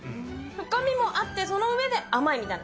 深みもあって、その上で甘いみたいな。